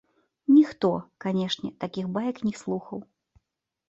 Ніхто, канечне, такіх баек не слухаў.